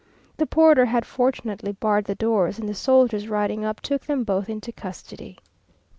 The porter had, fortunately, barred the doors, and the soldiers riding up, took them both into custody.